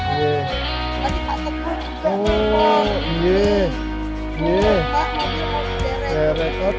nanti mau di rekot